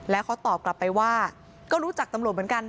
แล้วเขาตอบกลับไปว่าก็รู้จักตำรวจเหมือนกัน